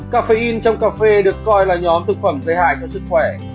cà phê in trong cà phê được coi là nhóm thực phẩm gây hại cho sức khỏe